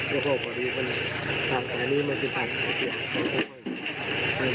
พวกเขาพอดีกว่าเรียนทางสายนี้มันจะผ่านเสียง